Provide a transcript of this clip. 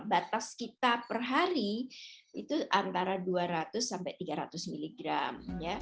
batas kita per hari itu antara dua ratus sampai tiga ratus miligram